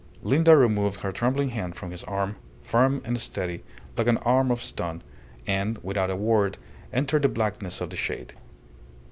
Linda removed her trembling hand from his arm, firm and steady like an arm of stone, and, without a word, entered the blackness of the shade.